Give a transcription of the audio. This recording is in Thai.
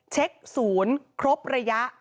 เช็คศูนย์ครบระยะ